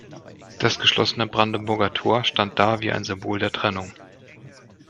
Das geschlossene Brandenburger Tor stand da wie ein Symbol der Trennung.